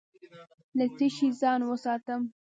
له څه شي ځان وساتم؟